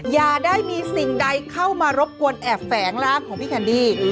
อย่าได้มีสิ่งใดเข้ามารบกวนแอบแฝงร่างของพี่แคนดี้